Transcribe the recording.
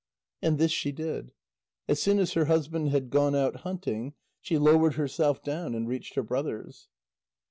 And this she did. As soon as her husband had gone out hunting, she lowered herself down and reached her brothers.